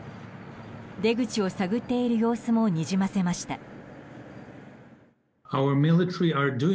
出口を探っている様子もにじませました。